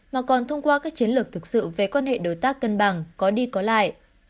mà còn thông qua các chiến lược thực sự về quan hệ đối tác cân bằng có đi có lại